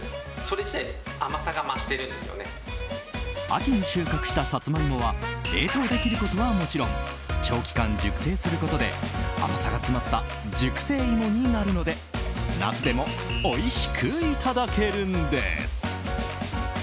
秋に収穫したさつまいもは冷凍できることはもちろん長期間熟成することで甘さが詰まった熟成芋になるので夏でもおいしくいただけるんです。